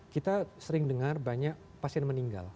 kita sering dengar banyak pasien meninggal